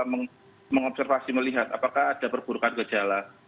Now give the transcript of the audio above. orang tua mengobservasi melihat apakah ada perburukan gejala